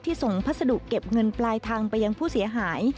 ส่งพัสดุเก็บเงินปลายทางไปยังผู้เสียหาย